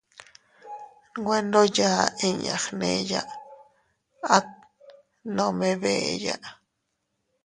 Nwe ndo yaa inña gneya, at nome beeya.